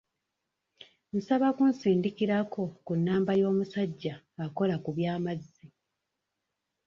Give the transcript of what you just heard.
Nsaba kunsindikirako ku namba y'omusajja akola ku by'amazzi.